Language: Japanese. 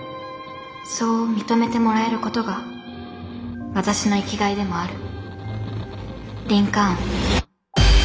そう認めてもらえることが私の生きがいでもある。